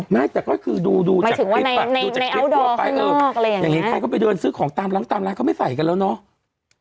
ไม่แต่ก็คือดูจากคลิปดูจากคลิปทั่วไปอย่างนี้ใครก็ไปเดินซื้อของตามร้านตามร้านเขาไม่ใส่กันแล้วเนาะ